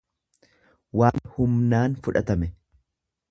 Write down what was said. waan humnaan fudhatame.